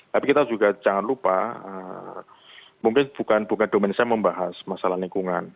tapi kita juga jangan lupa mungkin bukan domen saya membahas masalah lingkungan